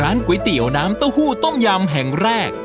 ก๋วยเตี๋ยวน้ำเต้าหู้ต้มยำแห่งแรก